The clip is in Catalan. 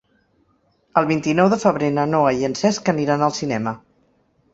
El vint-i-nou de febrer na Noa i en Cesc aniran al cinema.